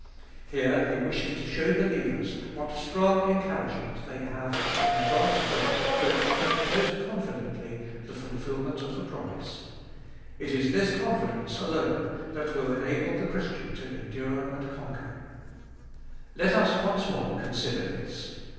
Here he wishes to show believers what strong encouragement they have in God's oath to expect most confidently the fulfilment of the promise. It is this confidence alone that will enable the Christian to endure and conquer. Let us once more consider this.